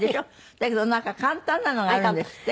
だけどなんか簡単なのがあるんですって？